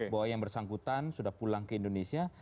bahwa yang bersangkutan sudah pulang ke indonesia